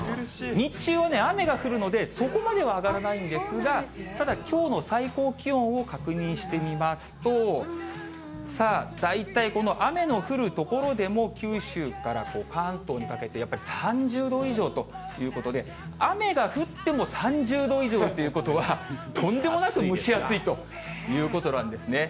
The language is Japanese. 日中はね、雨が降るので、そこまでは上がらないんですが、ただ、きょうの最高気温を確認してみますと、さあ、大体この雨の降る所でも九州から関東にかけて、やっぱり３０度以上ということで、雨が降っても３０度以上ということは、とんでもなく蒸し暑いということなんですね。